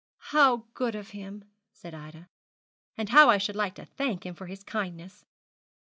'How good of him!' said Ida; 'and how I should like to thank him for his kindness!'